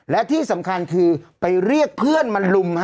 และที่สำคัญคือไปเรียกเพื่อนมาลุม